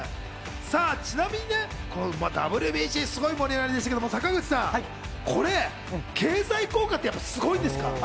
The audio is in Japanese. ちなみにＷＢＣ、すごい盛り上がりでしたけど坂口さん、これ経済効果ってすごいんですか？